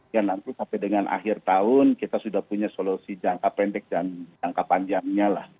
dan nanti sampai dengan akhir tahun kita sudah punya solusi jangka pendek dan jangka panjangnya lah